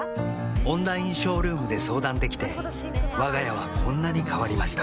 オンラインショールームで相談できてわが家はこんなに変わりました